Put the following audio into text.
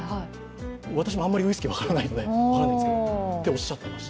私もあまりウイスキー分からないのであれなんですけど、そうおっしゃっていました。